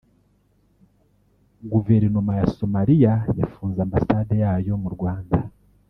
Guverinoma ya Somalia yafunze ambasade yayo mu Rwanda